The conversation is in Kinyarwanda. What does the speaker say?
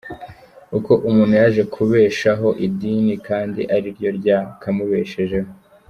Uko umuntu yaje kubeshaho idini kandi ariryo ryakamubeshejeho.